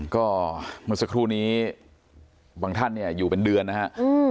ก็มันสักครู่นี้บางท่านอยู่เป็นเดือนนะครับ